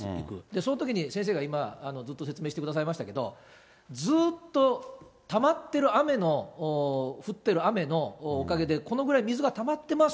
そのときに先生が今ずっと説明してくださいましたけど、ずーっとたまってる雨の、降っている雨のおかげでこのぐらい、水がたまってます、